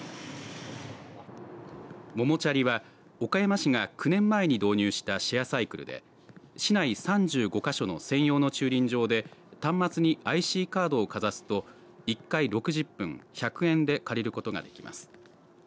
ももちゃりは岡山市が９年前に導入したシェアサイクルで市内３５か所の専用の駐輪場で端末にＩＣカードをかざすと１回６０分１００円で借りることができます。